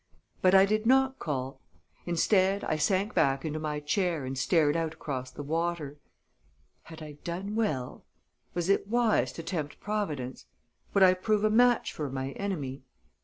But I did not call: instead, I sank back into my chair and stared out across the water. Had I done well? Was it wise to tempt Providence? Would I prove a match for my enemy?